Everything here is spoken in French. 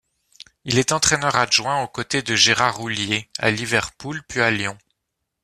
Il est entraîneur adjoint aux côtés de Gérard Houllier, à Liverpool puis à Lyon.